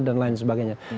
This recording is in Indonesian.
dan lain sebagainya